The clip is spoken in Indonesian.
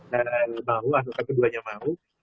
dan mau atau keduanya mau